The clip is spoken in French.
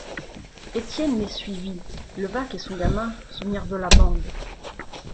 Étienne les suivit, Levaque et son gamin se mirent de la bande.